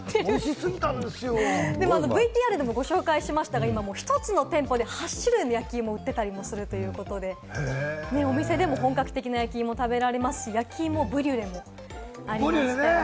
ＶＴＲでもご紹介しましたが、今１つの店舗で８種類の焼き芋を売っていたりするということで、お店でも本格的な焼き芋を食べられますし、焼き芋ブリュレもありますからね。